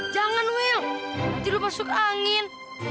jangan wil nanti lu masuk angin